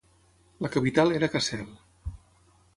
La capital era Kassel.